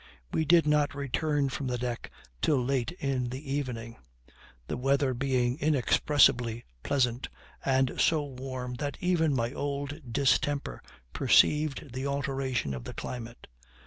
We did not return from the deck till late in the evening; the weather being inexpressibly pleasant, and so warm that even my old distemper perceived the alteration of the climate.